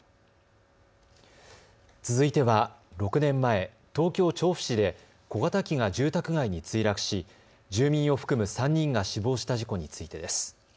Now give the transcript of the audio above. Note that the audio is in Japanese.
続いては６年前、東京調布市で小型機が住宅街に墜落し住民を含む３人が死亡した事故についてです。